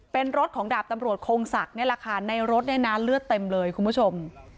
เป็นรถของดาบตำรวจคงศักดิ์นี่แหละค่ะในรถเนี่ยนะเลือดเต็มเลยคุณผู้ชม